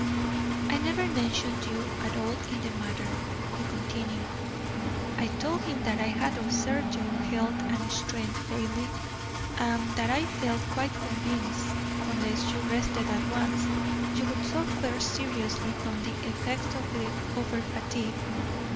"I never mentioned you at all in the matter," he continued. "I told him that I had observed your health and strength failing, and that I felt quite convinced, unless you rested at once, you would suffer seriously from the effects of over fatigue.